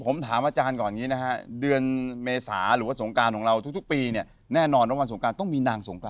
ผมถามอาจารย์ก่อนอย่างนี้นะฮะเดือนเมษาหรือว่าสงการของเราทุกปีเนี่ยแน่นอนว่าวันสงการต้องมีนางสงกรา